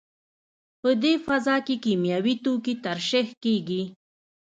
په دې فضا کې کیمیاوي توکي ترشح کېږي.